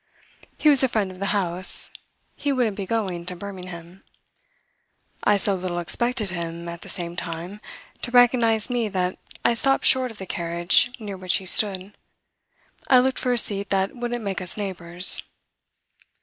He was a friend of the house he wouldn't be going to Birmingham. I so little expected him, at the same time, to recognise me that I stopped short of the carriage near which he stood I looked for a seat that wouldn't make us neighbours.